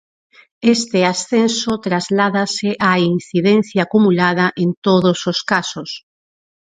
Este ascenso trasládese á incidencia acumulada en todos os casos.